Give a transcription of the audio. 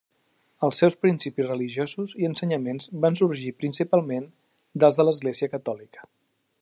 Els seus principis religiosos i ensenyaments van sorgir principalment dels de l'Església Catòlica.